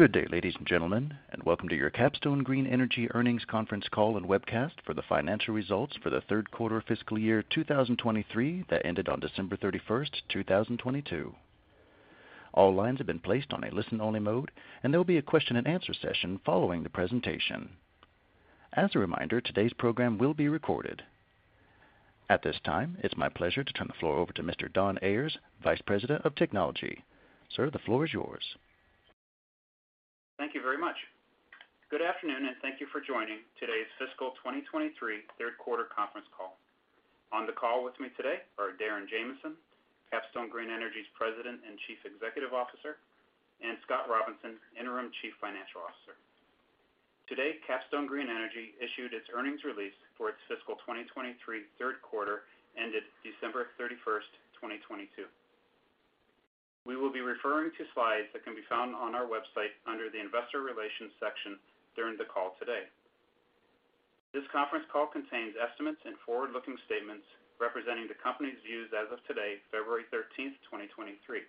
Good day, ladies and gentlemen, and welcome to your Capstone Green Energy earnings conference call and webcast for the financial results for the third quarter fiscal year 2023 that ended on December 31, 2022. All lines have been placed on a listen-only mode, and there will be a question and answer session following the presentation. As a reminder, today's program will be recorded. At this time, it's my pleasure to turn the floor over to Mr. Don Ayers, Vice President of Technology. Sir, the floor is yours. Thank you very much. Good afternoon, and thank you for joining today's fiscal 2023 3rd quarter conference call. On the call with me today are Darren Jamison, Capstone Green Energy's President and Chief Executive Officer, and Scott Robinson, Interim Chief Financial Officer. Today, Capstone Green Energy issued its earnings release for its fiscal 2023 3rd quarter ended December 31st, 2022. We will be referring to slides that can be found on our website under the Investor Relations section during the call today. This conference call contains estimates and forward-looking statements representing the company's views as of today, February 13th, 2023.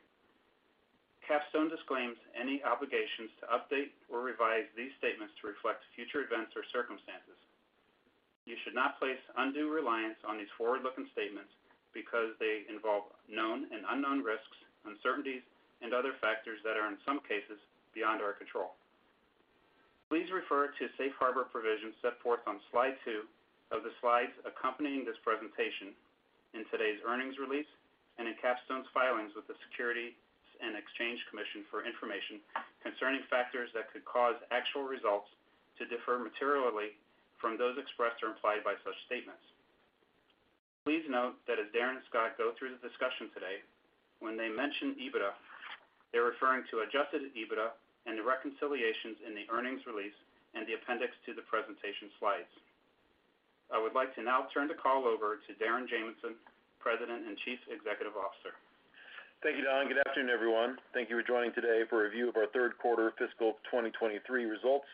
Capstone disclaims any obligations to update or revise these statements to reflect future events or circumstances. You should not place undue reliance on these forward-looking statements because they involve known and unknown risks, uncertainties, and other factors that are, in some cases, beyond our control. Please refer to Safe Harbor provisions set forth on slide two of the slides accompanying this presentation in today's earnings release and in Capstone's filings with the Securities and Exchange Commission for information concerning factors that could cause actual results to differ materially from those expressed or implied by such statements. Please note that as Darren and Scott go through the discussion today, when they mention EBITDA, they're referring to adjusted EBITDA and the reconciliations in the earnings release and the appendix to the presentation slides. I would like to now turn the call over to Darren Jamison, President and Chief Executive Officer. Thank you, Don. Good afternoon, everyone. Thank you for joining today for a review of our third quarter fiscal 2023 results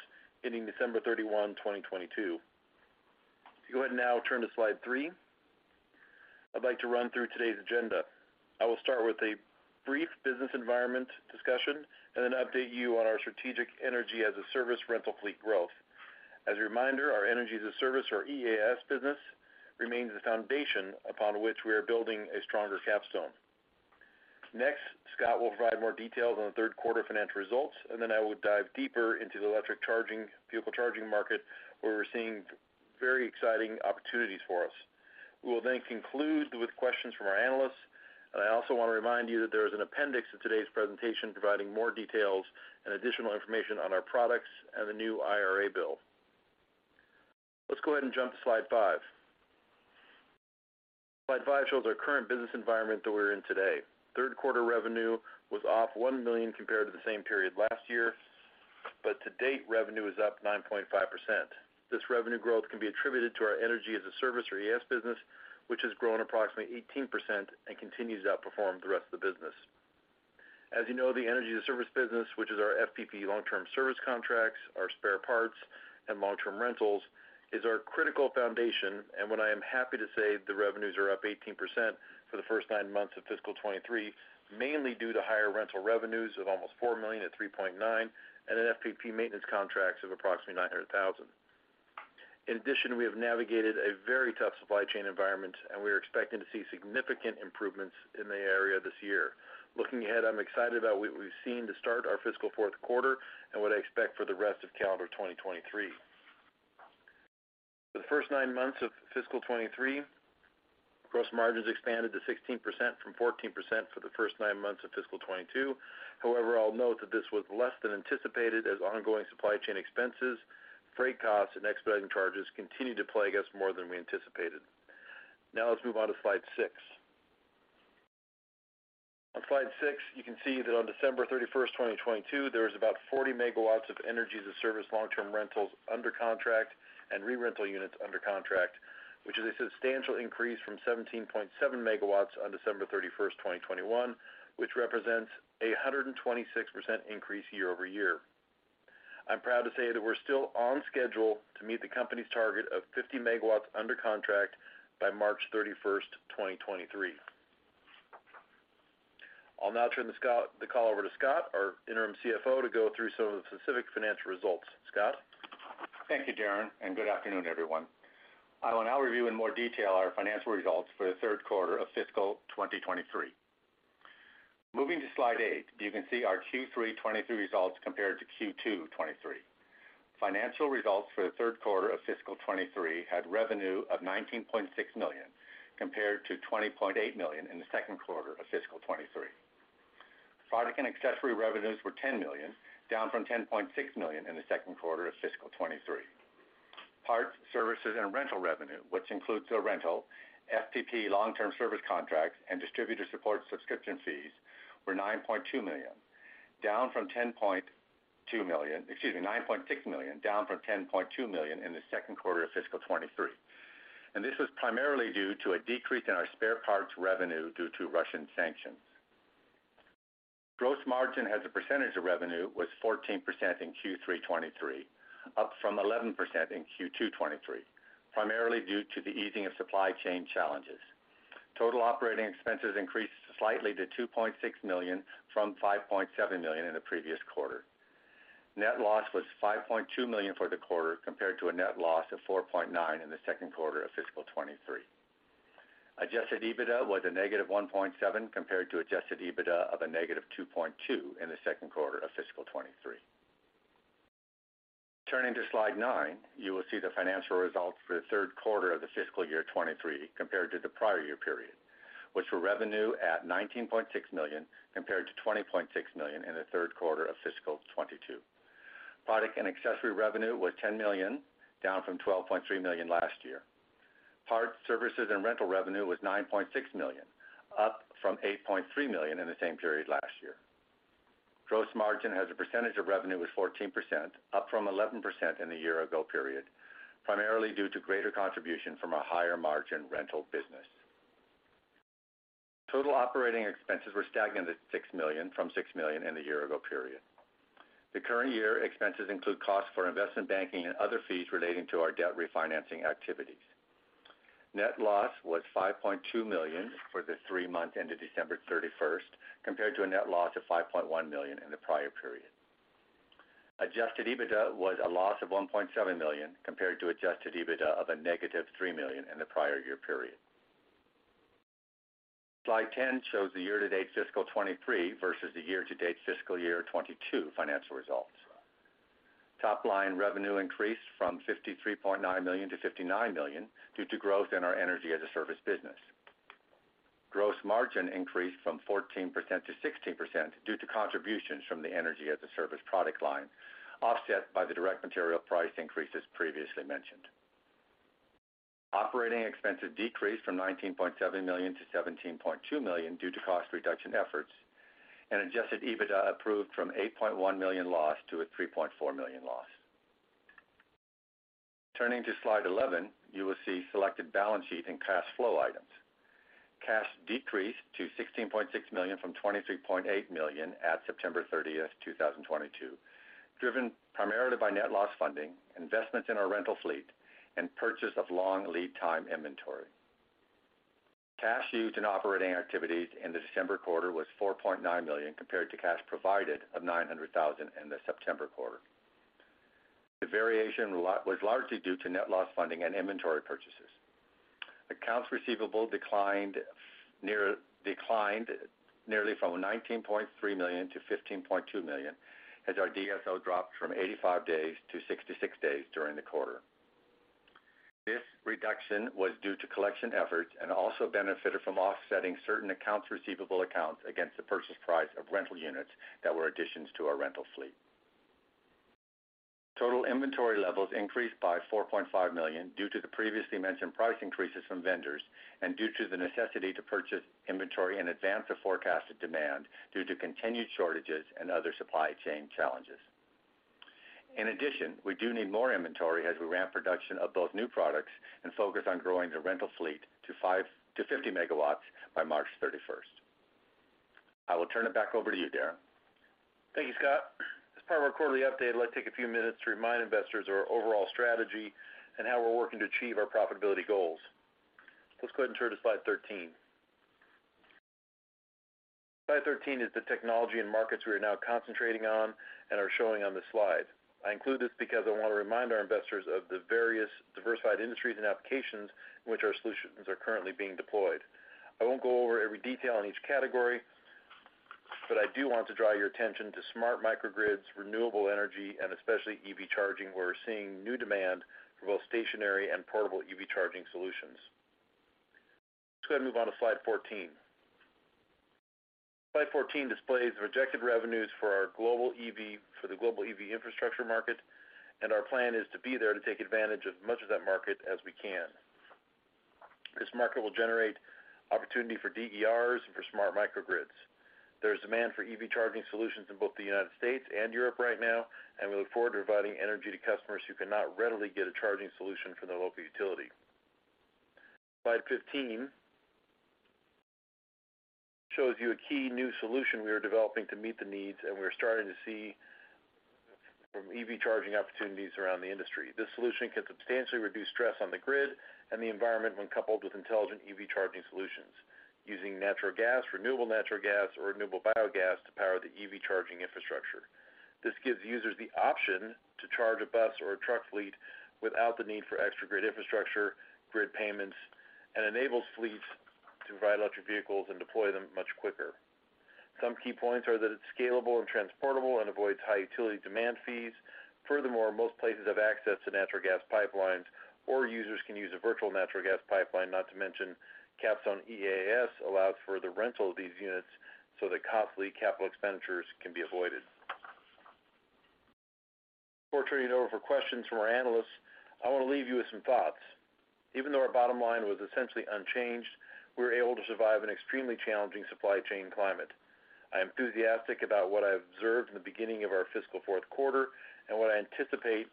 ending December 31, 2022. If you go ahead and now turn to slide three, I'd like to run through today's agenda. I will start with a brief business environment discussion and then update you on our strategic Energy as a Service rental fleet growth. As a reminder, our Energy as a Service or EAS business remains the foundation upon which we are building a stronger Capstone. Next, Scott will provide more details on the third quarter financial results, and then I will dive deeper into the electric vehicle charging market, where we're seeing very exciting opportunities for us. We will conclude with questions from our analysts. I also want to remind you that there is an appendix of today's presentation providing more details and additional information on our products and the new IRA bill. Let's go ahead and jump to slide five. Slide five shows our current business environment that we're in today. Third quarter revenue was off $1 million compared to the same period last year, to date, revenue is up 9.5%. This revenue growth can be attributed to our Energy as a Service or EAS business, which has grown approximately 18% and continues to outperform the rest of the business. As you know, the Energy as a Service business, which is our FPP long-term service contracts, our spare parts, and long-term rentals, is our critical foundation. What I am happy to say, the revenues are up 18% for the first nine months of fiscal 2023, mainly due to higher rental revenues of almost $4 million at $3.9 and an FPP maintenance contracts of approximately $900,000. In addition, we have navigated a very tough supply chain environment, and we are expecting to see significant improvements in the area this year. Looking ahead, I'm excited about what we've seen to start our fiscal fourth quarter and what I expect for the rest of calendar 2023. For the first nine months of fiscal 2023, gross margins expanded to 16% from 14% for the first nine months of fiscal 2022. However, I'll note that this was less than anticipated as ongoing supply chain expenses, freight costs, and expediting charges continued to plague us more than we anticipated. Now let's move on to slide six. On slide six, you can see that on December 31st, 2022, there was about 40 MW of Energy as a Service long-term rentals under contract and re-rental units under contract, which is a substantial increase from 17.7 MW on December 31st, 2021, which represents a 126% increase year-over-year. I'm proud to say that we're still on schedule to meet the company's target of 50 MW under contract by March 31st, 2023. I'll now turn the call over to Scott, our Interim CFO, to go through some of the specific financial results. Scott? Thank you, Darren. Good afternoon, everyone. I will now review in more detail our financial results for the third quarter of fiscal 2023. Moving to slide eight, you can see our Q3 2023 results compared to Q2 2023. Financial results for the third quarter of fiscal 2023 had revenue of $19.6 million compared to $20.8 million in the second quarter of fiscal 2023. Product and accessory revenues were $10 million, down from $10.6 million in the second quarter of fiscal 2023. Parts, services, and rental revenue, which includes the rental, FPP long-term service contracts, and distributor support subscription fees, were $9.6 million, down from $10.2 million in the second quarter of fiscal 2023. This was primarily due to a decrease in our spare parts revenue due to Russian sanctions. Gross margin as a percentage of revenue was 14% in Q3 2023, up from 11% in Q2 2023, primarily due to the easing of supply chain challenges. Total operating expenses increased slightly to $2.6 million from $5.7 million in the previous quarter. Net loss was $5.2 million for the quarter compared to a net loss of $4.9 million in the second quarter of fiscal 2023. Adjusted EBITDA was a negative $1.7 million compared to adjusted EBITDA of a negative $2.2 million in the second quarter of fiscal 2023. Turning to slide nine, you will see the financial results for the third quarter of fiscal year 2023 compared to the prior year period, which were revenue at $19.6 million compared to $20.6 million in the third quarter of fiscal 2022. Product and accessory revenue was $10 million, down from $12.3 million last year. Parts, services and rental revenue was $9.6 million, up from $8.3 million in the same period last year. Gross margin as a percentage of revenue was 14%, up from 11% in the year-ago period, primarily due to greater contribution from a higher margin rental business. Total operating expenses were stagnant at $6 million from $6 million in the year-ago period. The current year expenses include costs for investment banking and other fees relating to our debt refinancing activities. Net loss was $5.2 million for the three months ended December 31st, compared to a net loss of $5.1 million in the prior period. Adjusted EBITDA was a loss of $1.7 million compared to Adjusted EBITDA of a negative $3 million in the prior year period. Slide 10 shows the year-to-date fiscal 2023 versus the year-to-date fiscal year 2022 financial results. Top line revenue increased from $53.9 million to $59 million due to growth in our Energy as a Service business. Gross margin increased from 14% to 16% due to contributions from the Energy as a Service product line, offset by the direct material price increases previously mentioned. Operating expenses decreased from $19.7 million to $17.2 million due to cost reduction efforts, and adjusted EBITDA improved from $8.1 million loss to a $3.4 million loss. Turning to slide 11, you will see selected balance sheet and cash flow items. Cash decreased to $16.6 million from $23.8 million at September 30, 2022, driven primarily by net loss funding, investments in our rental fleet, and purchase of long lead time inventory. Cash used in operating activities in the December quarter was $4.9 million compared to cash provided of $900,000 in the September quarter. The variation was largely due to net loss funding and inventory purchases. Accounts receivable declined nearly from $19.3 million to $15.2 million as our DSO dropped from 85 days to 66 days during the quarter. This reduction was due to collection efforts and also benefited from offsetting certain accounts receivable accounts against the purchase price of rental units that were additions to our rental fleet. Total inventory levels increased by $4.5 million due to the previously mentioned price increases from vendors and due to the necessity to purchase inventory in advance of forecasted demand due to continued shortages and other supply chain challenges. We do need more inventory as we ramp production of both new products and focus on growing the rental fleet to 5 MW-50 MW by March 31st. I will turn it back over to you, Darren. Thank you, Scott. As part of our quarterly update, I'd like to take a few minutes to remind investors of our overall strategy and how we're working to achieve our profitability goals. Let's go ahead and turn to slide 13. Slide 13 is the technology and markets we are now concentrating on and are showing on this slide. I include this because I want to remind our investors of the various diversified industries and applications in which our solutions are currently being deployed. I won't go over every detail in each category, but I do want to draw your attention to smart microgrids, renewable energy, and especially EV charging, where we're seeing new demand for both stationary and portable EV charging solutions. Let's go ahead and move on to slide 14. Slide 14 displays the projected revenues for the global EV infrastructure market. Our plan is to be there to take advantage of as much of that market as we can. This market will generate opportunity for DERs and for smart microgrids. There is demand for EV charging solutions in both the United States and Europe right now. We look forward to providing energy to customers who cannot readily get a charging solution from their local utility. Slide 15 shows you a key new solution we are developing to meet the needs and we are starting to see from EV charging opportunities around the industry. This solution can substantially reduce stress on the grid and the environment when coupled with intelligent EV charging solutions using natural gas, renewable natural gas, or renewable biogas to power the EV charging infrastructure. This gives users the option to charge a bus or a truck fleet without the need for extra grid infrastructure, grid payments, and enables fleets to provide electric vehicles and deploy them much quicker. Some key points are that it's scalable and transportable and avoids high utility demand fees. Most places have access to natural gas pipelines, or users can use a virtual natural gas pipeline, not to mention Capstone EaaS allows for the rental of these units so that costly capital expenditures can be avoided. Before turning it over for questions from our analysts, I want to leave you with some thoughts. Even though our bottom line was essentially unchanged, we were able to survive an extremely challenging supply chain climate. I am enthusiastic about what I have observed in the beginning of our fiscal fourth quarter and what I anticipate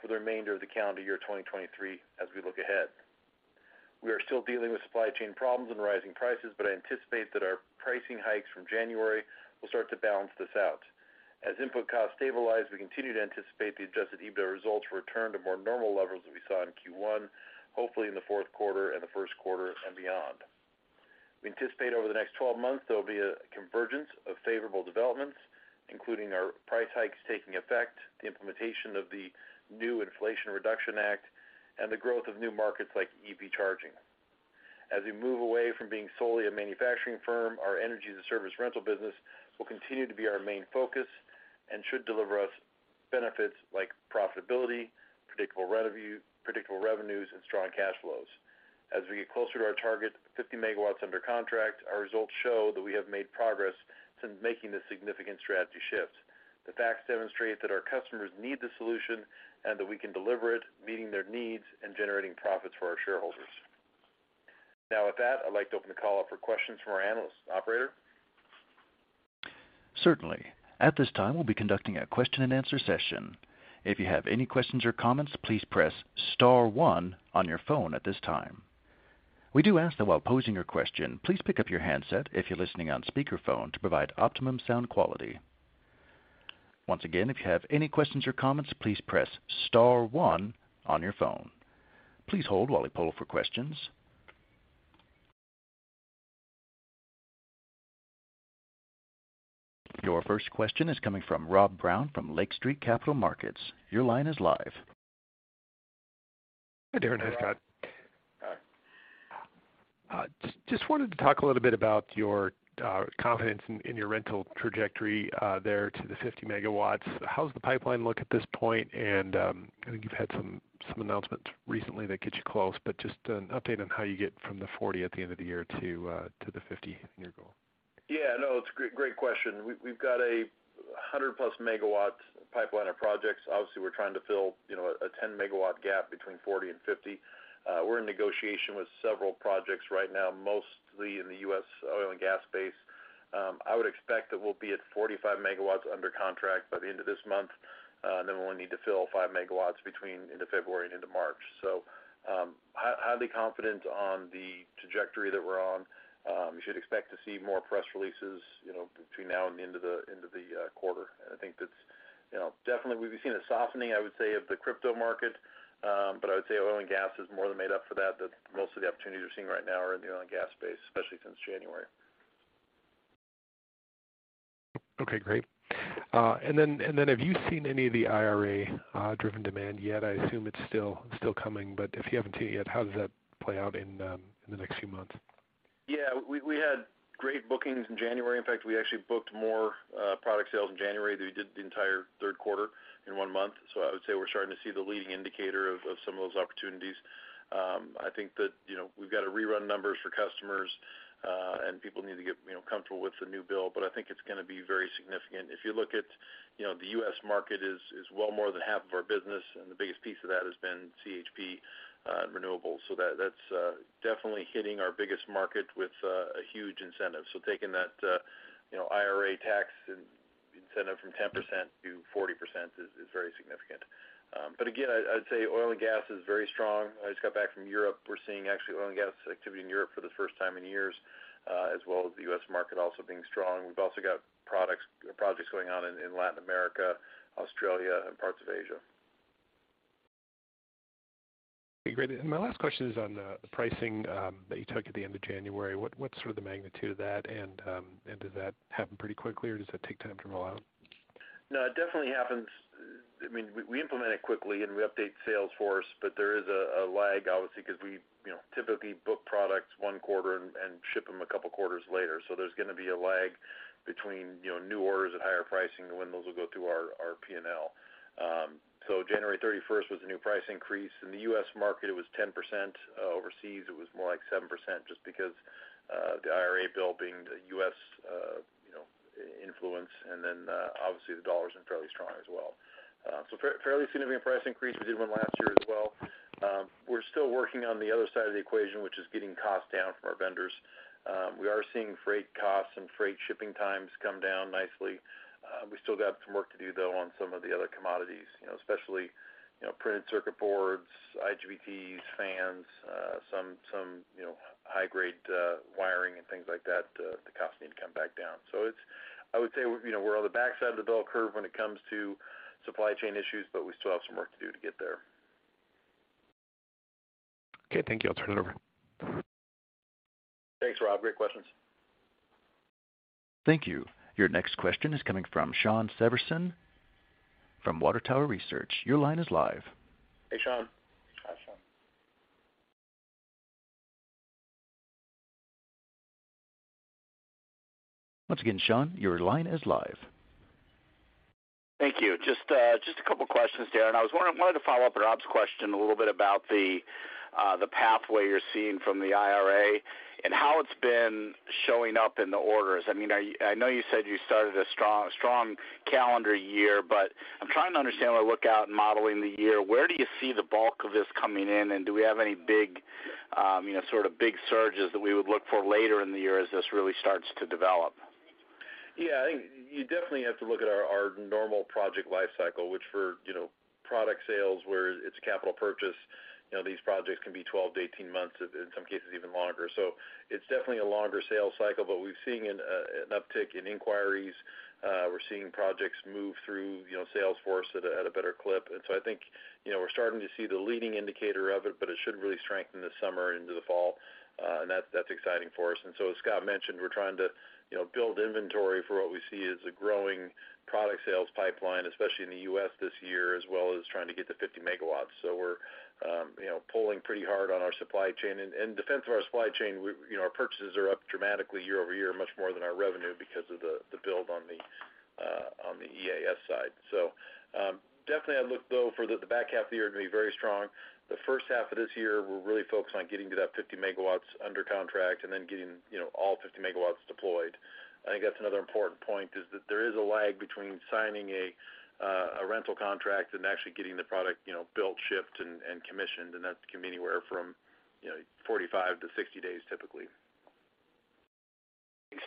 for the remainder of the calendar year 2023 as we look ahead. We are still dealing with supply chain problems and rising prices, but I anticipate that our pricing hikes from January will start to balance this out. As input costs stabilize, we continue to anticipate the adjusted EBITDA results return to more normal levels that we saw in Q1, hopefully in the fourth quarter and the first quarter and beyond. We anticipate over the next 12 months, there will be a convergence of favorable developments, including our price hikes taking effect, the implementation of the new Inflation Reduction Act, and the growth of new markets like EV charging. As we move away from being solely a manufacturing firm, our Energy-as-a-Service rental business will continue to be our main focus and should deliver us benefits like profitability, predictable revenues, and strong cash flows. As we get closer to our target, 50 MW under contract, our results show that we have made progress since making this significant strategy shift. The facts demonstrate that our customers need the solution and that we can deliver it, meeting their needs and generating profits for our shareholders. Now, with that, I'd like to open the call up for questions from our analysts. Operator? Certainly. At this time, we'll be conducting a question-and-answer session. If you have any questions or comments, please press star one on your phone at this time. We do ask that while posing your question, please pick up your handset if you're listening on speakerphone to provide optimum sound quality. Once again, if you have any questions or comments, please press star one on your phone. Please hold while we poll for questions. Your first question is coming from Rob Brown from Lake Street Capital Markets. Your line is live. Hi, Darren and Scott. Hi. Just wanted to talk a little bit about your confidence in your rental trajectory there to the 50 MW. How does the pipeline look at this point? I think you've had some announcements recently that get you close, but just an update on how you get from the 40 MW at the end of the year to the 50 MW in your goal. Yeah, no, it's a great question. We've got a 100+ MW pipeline of projects. Obviously, we're trying to fill, you know, a 10 MW gap between 40 MW and 50 MW. We're in negotiation with several projects right now, mostly in the U.S. oil and gas space. I would expect that we'll be at 45 MW under contract by the end of this month, and then we'll need to fill 5 MW between end of February and into March. Highly confident on the trajectory that we're on. You should expect to see more press releases, you know, between now and the end of the quarter. I think that's, you know, definitely we've seen a softening, I would say, of the crypto market, but I would say oil and gas has more than made up for that. Most of the opportunities we're seeing right now are in the oil and gas space, especially since January. Okay, great. Have you seen any of the IRA driven demand yet? I assume it's still coming. If you haven't seen it yet, how does that play out in the next few months? We had great bookings in January. In fact, we actually booked more product sales in January than we did the entire third quarter in one month. I would say we're starting to see the leading indicator of some of those opportunities. I think that, you know, we've got to rerun numbers for customers, and people need to get, you know, comfortable with the new bill, but I think it's gonna be very significant. If you look at, you know, the U.S. market is well more than half of our business, and the biggest piece of that has been CHP, renewables. That's definitely hitting our biggest market with a huge incentive. Taking that, you know, IRA tax incentive from 10% to 40% is very significant. Again, I'd say oil and gas is very strong. I just got back from Europe. We're seeing actually oil and gas activity in Europe for the first time in years, as well as the U.S. market also being strong. We've also got projects going on in Latin America, Australia, and parts of Asia. Okay, great. My last question is on, the pricing, that you took at the end of January. What's sort of the magnitude of that? Did that happen pretty quickly, or does that take time to roll out? No, it definitely happens. I mean, we implement it quickly and we update Salesforce, there is a lag, obviously, 'cause we, you know, typically book products one quarter and ship them a couple quarters later. There's gonna be a lag between, you know, new orders at higher pricing and when those will go through our P&L. January 31st was the new price increase. In the U.S. market, it was 10%. Overseas, it was more like 7% just because the IRA bill being the U.S., you know, influence, obviously the dollar's been fairly strong as well. Fairly significant price increase. We did 1 last year as well. We're still working on the other side of the equation, which is getting costs down from our vendors. We are seeing freight costs and freight shipping times come down nicely. We still got some work to do though on some of the other commodities, you know, especially, you know, printed circuit boards, IGBTs, fans, some, you know, high-grade, wiring and things like that, the costs need to come back down. I would say, you know, we're on the backside of the bell curve when it comes to supply chain issues, but we still have some work to do to get there. Okay, thank you. I'll turn it over. Thanks, Rob. Great questions. Thank you. Your next question is coming from Shawn Severson from Water Tower Research. Your line is live. Hey, Shawn. Hi, Shawn. Once again, Shawn, your line is live. Thank you. Just a couple questions, Darren. I wanted to follow up on Rob's question a little bit about the pathway you're seeing from the IRA and how it's been showing up in the orders. I mean, I know you said you started a strong calendar year, but I'm trying to understand when I look out and modeling the year, where do you see the bulk of this coming in? Do we have any big, you know, sort of big surges that we would look for later in the year as this really starts to develop? I think you definitely have to look at our normal project life cycle, which for, you know, product sales where it's capital purchase, you know, these projects can be 12-18 months, in some cases, even longer. It's definitely a longer sales cycle, but we're seeing an uptick in inquiries. We're seeing projects move through, you know, Salesforce at a, at a better clip. I think, you know, we're starting to see the leading indicator of it, but it should really strengthen this summer into the fall, and that's exciting for us. As Scott mentioned, we're trying to, you know, build inventory for what we see as a growing product sales pipeline, especially in the U.S. this year, as well as trying to get to 50 MW. We're, you know, pulling pretty hard on our supply chain. And in defense of our supply chain, you know, our purchases are up dramatically year-over-year, much more than our revenue because of the build on the EaaS side. Definitely I look though for the back half of the year to be very strong. The first half of this year, we're really focused on getting to that 50 MW under contract and then getting, you know, all 50 MW deployed. I think that's another important point is that there is a lag between signing a rental contract and actually getting the product, you know, built, shipped and commissioned, and that can be anywhere from, you know, 45-60 days typically.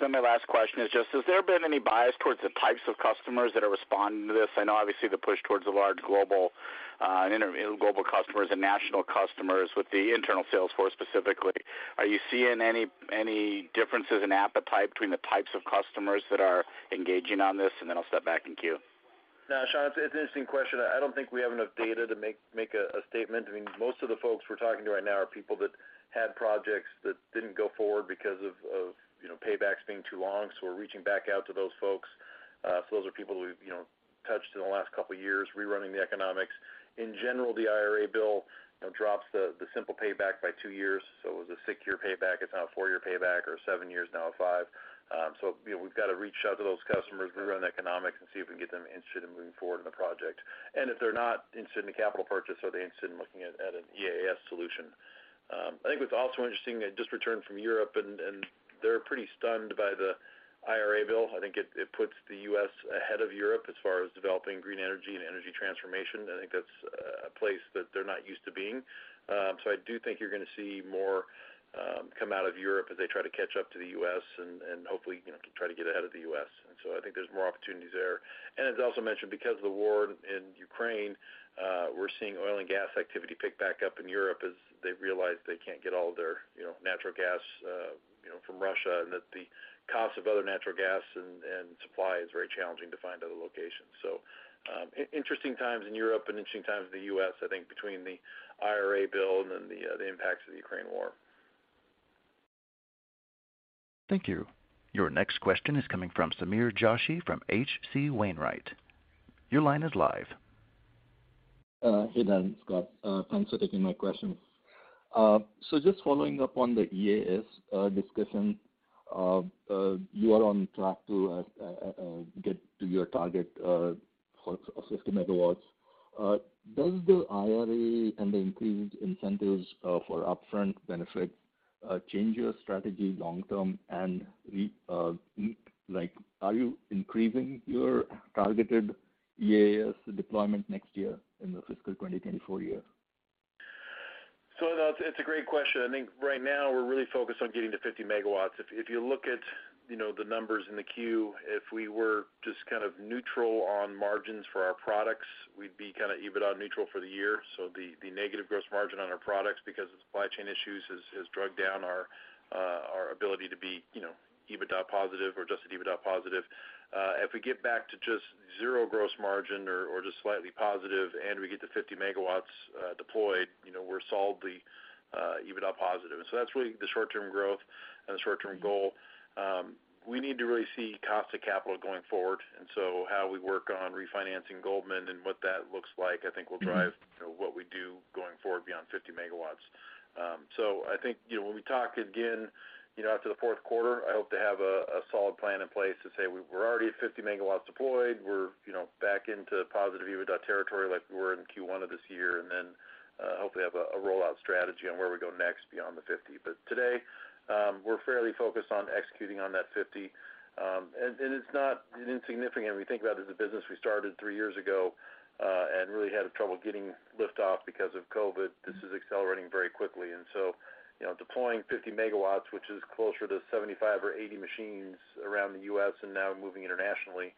My last question is just, has there been any bias towards the types of customers that are responding to this? I know obviously the push towards the large global, inter- global customers and national customers with the internal Salesforce specifically. Are you seeing any differences in appetite between the types of customers that are engaging on this? I'll step back in queue. No, Shawn, it's an interesting question. I don't think we have enough data to make a statement. I mean, most of the folks we're talking to right now are people that had projects that didn't go forward because of, you know, paybacks being too long. We're reaching back out to those folks. Those are people who, you know, touched in the last couple of years rerunning the economics. In general, the IRA bill, you know, drops the simple payback by two years. It was a six-year payback, it's now a four-year payback, or seven years now a five. You know, we've got to reach out to those customers, rerun the economics and see if we can get them interested in moving forward in the project. If they're not interested in a capital purchase, are they interested in looking at an EaaS solution? I think what's also interesting, I just returned from Europe and they're pretty stunned by the IRA bill. I think it puts the U.S. ahead of Europe as far as developing green energy and energy transformation. I think that's a place that they're not used to being. I do think you're gonna see more come out of Europe as they try to catch up to the U.S. and hopefully, you know, try to get ahead of the U.S. I think there's more opportunities there. As also mentioned, because of the war in Ukraine, we're seeing oil and gas activity pick back up in Europe as they realize they can't get all their, you know, natural gas, you know, from Russia, and that the cost of other natural gas and supply is very challenging to find other locations. Interesting times in Europe and interesting times in the U.S., I think, between the IRA bill and then the impacts of the Ukraine war. Thank you. Your next question is coming from Sameer Joshi from H.C. Wainwright. Your line is live. Hey, Darren, Scott. Thanks for taking my question. Just following up on the EaaS discussion, you are on track to get to your target for of 50 megawatts. Does the IRA and the increased incentives for upfront benefit change your strategy long term and like, are you increasing your targeted EaaS deployment next year in the fiscal 2024 year? No, it's a great question. I think right now we're really focused on getting to 50 MW. If you look at, you know, the numbers in the queue, if we were just kind of neutral on margins for our products, we'd be kind of EBITDA neutral for the year. The negative gross margin on our products because of supply chain issues has dragged down our ability to be, you know, EBITDA positive or adjusted EBITDA positive. If we get back to just zero gross margin or just slightly positive and we get to 50 MW deployed, you know, we're solidly EBITDA positive. That's really the short-term growth and the short-term goal. We need to really see cost of capital going forward. How we work on refinancing Goldman and what that looks like, I think will drive, you know, what we do going forward beyond 50 MW. I think, you know, when we talk again, you know, after the fourth quarter, I hope to have a solid plan in place to say we're already at 50 MW deployed. We're, you know, back into positive EBITDA territory like we were in Q1 of this year. Hopefully have a rollout strategy on where we go next beyond the 50 MW. Today, we're fairly focused on executing on that 50 MW. And it's not insignificant when you think about it as a business we started three years ago, and really had trouble getting lift off because of COVID. This is accelerating very quickly. You know, deploying 50MW, which is closer to 75 or 80 machines around the U.S. and now moving internationally,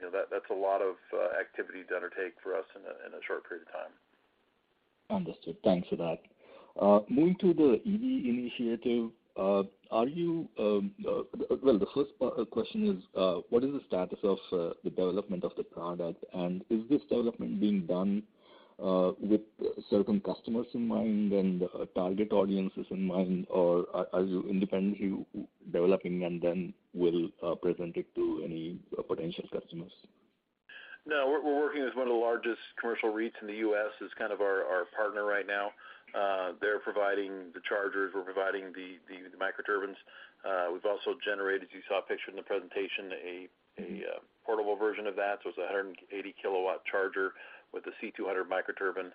you know, that's a lot of activity to undertake for us in a short period of time. for that. Moving to the EV initiative, are you, well, the first question is, what is the status of the development of the product? And is this development being done with certain customers in mind and target audiences in mind? Or are you independently developing and then will present it to any potential customers No, we're working with one of the largest commercial REITs in the U.S. as kind of our partner right now. They're providing the chargers, we're providing the microturbines. We've also generated, you saw a picture in the presentation, a portable version of that. It's a 180 kW charger with a C200S microturbine.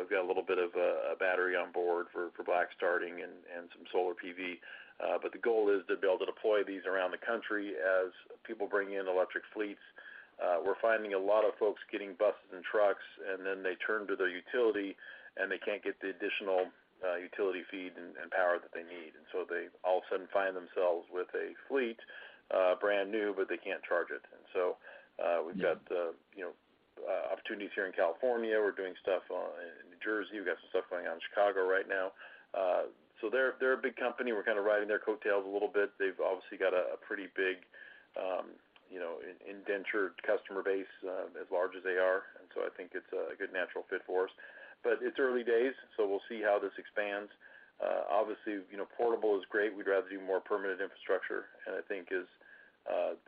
We've got a little bit of a battery on board for black starting and some solar PV. The goal is to be able to deploy these around the country as people bring in electric fleets. We're finding a lot of folks getting buses and trucks, and then they turn to their utility and they can't get the additional utility feed and power that they need. They all of a sudden find themselves with a fleet, brand new, but they can't charge it. We've got, you know opportunities here in California, we're doing stuff in New Jersey. We got some stuff going on in Chicago right now. They're a big company. We're kind of riding their coattails a little bit. They've obviously got a pretty big, you know, indentured customer base, as large as they are, I think it's a good natural fit for us. It's early days, we'll see how this expands. Obviously, you know, portable is great. We'd rather do more permanent infrastructure. I think as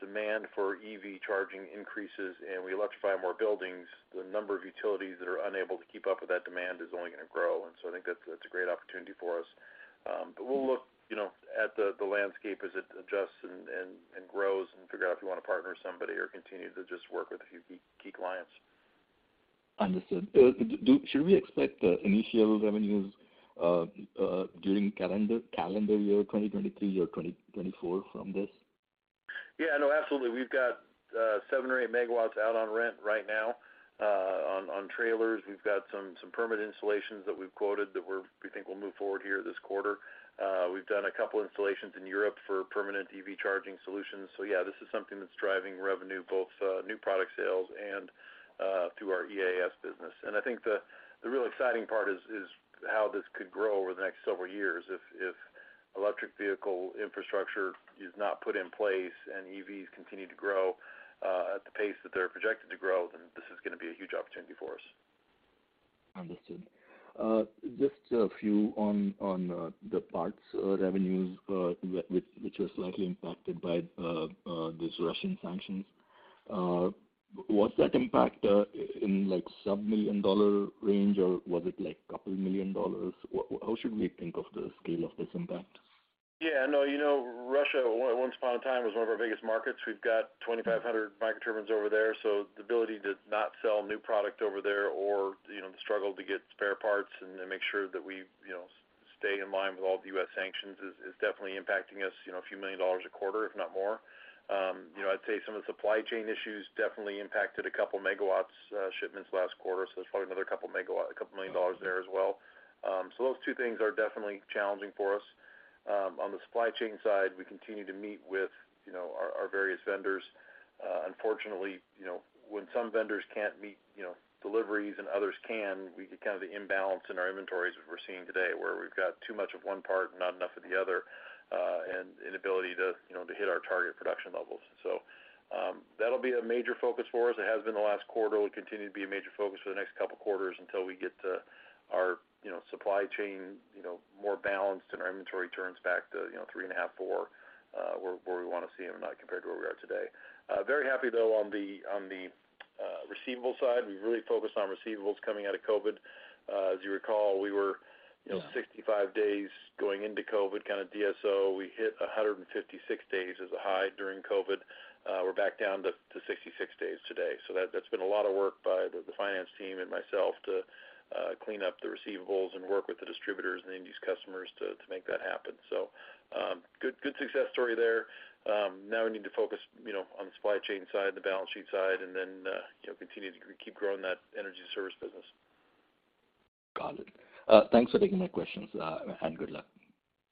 demand for EV charging increases and we electrify more buildings, the number of utilities that are unable to keep up with that demand is only gonna grow. I think that's a great opportunity for us. We'll look, you know, at the landscape as it adjusts and grows and figure out if we wanna partner with somebody or continue to just work with a few key clients. Understood. Should we expect initial revenues during calendar year 2023 or 2024 from this? Yeah, no, absolutely. We've got 7 MW or 8 MW out on rent right now, on trailers. We've got some permanent installations that we think will move forward here this quarter. We've done a couple installations in Europe for permanent EV charging solutions. This is something that's driving revenue, both, new product sales and, through our EAS business. I think the real exciting part is how this could grow over the next several years. If electric vehicle infrastructure is not put in place and EVs continue to grow, at the pace that they're projected to grow, this is gonna be a huge opportunity for us. Understood. just a few on the parts revenues which were slightly impacted by these Russian sanctions. was that impact in like sub $1 million range, or was it like a couple million dollars? How should we think of the scale of this impact? Yeah, no, you know, Russia, once upon a time, was one of our biggest markets. We've got 2,500 microturbines over there. The ability to not sell new product over there or, you know, the struggle to get spare parts and then make sure that we, you know, stay in line with all the U.S. sanctions is definitely impacting us, you know, a few million dollars a quarter, if not more. You know, I'd say some of the supply chain issues definitely impacted a couple megawatts shipments last quarter. There's probably another couple megawatt, couple million dollars there as well. Those two things are definitely challenging for us. On the supply chain side, we continue to meet with, you know, our various vendors. Unfortunately, you know, when some vendors can't meet, you know, deliveries and others can, we get kind of the imbalance in our inventories that we're seeing today, where we've got too much of one part and not enough of the other, and inability to, you know, to hit our target production levels. That'll be a major focus for us. It has been the last quarter. Will continue to be a major focus for the next couple quarters until we get our, you know, supply chain, you know, more balanced and our inventory turns back to, you know, three and a half, four, where we wanna see them, not compared to where we are today. Very happy though on the receivables side. We've really focused on receivables coming out of COVID. As you recall, we were, you know, 65 days going into COVID kind of DSO. We hit 156 days as a high during COVID. We're back down to 66 days today. That's been a lot of work by the finance team and myself to clean up the receivables and work with the distributors and the end use customers to make that happen. Good success story there. Now we need to focus, you know, on the supply chain side, the balance sheet side, and then, you know, continue to keep growing that energy service business. Got it. Thanks for taking my questions, and good luck.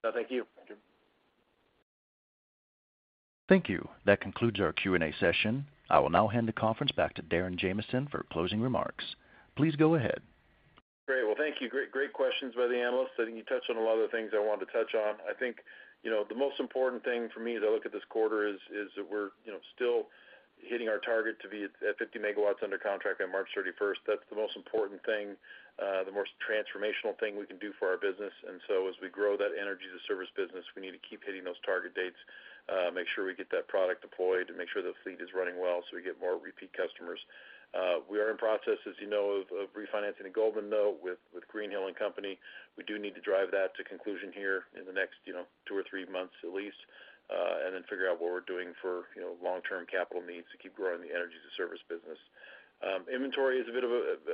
No, thank you. Thank you. Thank you. That concludes our Q&A session. I will now hand the conference back to Darren Jamison for closing remarks. Please go ahead. Great. Well, thank you. Great questions by the analysts. I think you touched on a lot of the things I wanted to touch on. I think, you know, the most important thing for me as I look at this quarter is that we're, you know, still hitting our target to be at 50 MW under contract by March 31st. That's the most important thing, the most transformational thing we can do for our business. As we grow that Energy-to-Service business, we need to keep hitting those target dates, make sure we get that product deployed and make sure the fleet is running well so we get more repeat customers. We are in process, as you know, of refinancing the Goldman note with Greenhill & Co. We do need to drive that to conclusion here in the next, you know, two or three months at least, and then figure out what we're doing for, you know, long-term capital needs to keep growing the energy-to-service business. Inventory is a bit of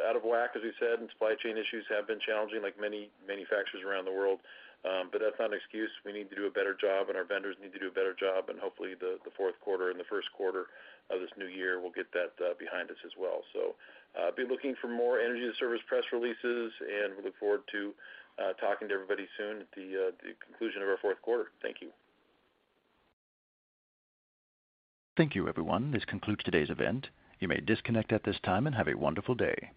out of whack, as we said, and supply chain issues have been challenging like many manufacturers around the world. That's not an excuse. We need to do a better job, and our vendors need to do a better job. Hopefully, the fourth quarter and the first quarter of this new year, we'll get that behind us as well. Be looking for more energy-to-service press releases, and we look forward to talking to everybody soon at the conclusion of our fourth quarter. Thank you. Thank you, everyone. This concludes today's event. You may disconnect at this time, and have a wonderful day.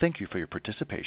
Thank you for your participation.